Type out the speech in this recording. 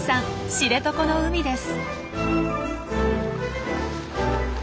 知床の海です！